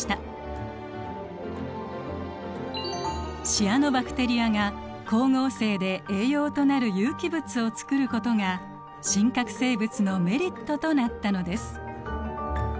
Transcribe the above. シアノバクテリアが光合成で栄養となる有機物を作ることが真核生物のメリットとなったのです。